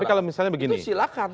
tapi kalau misalnya begini itu silakan